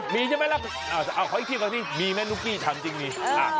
มีใช่ไหมล่ะขออีกทีมีแมนุกกี้ทำจริงมั้ย